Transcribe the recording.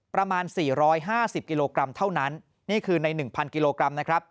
ประมาณ๔๕๐กิโลกรัมเท่านั้นนี่คือใน๑๐๐กิโลกรัมนะครับ